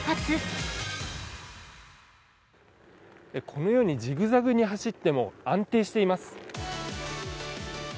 このようにじぐざぐに走っても安定しています。